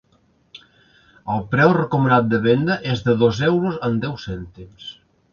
El preu recomanat de venda és de dos euros amb deu cèntims.